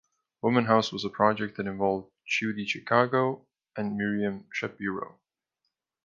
Womanhouse was a project that involved Judy Chicago and Miriam Schapiro.